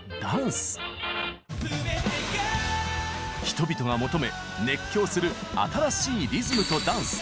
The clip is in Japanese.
人々が求め熱狂する新しいリズムとダンス。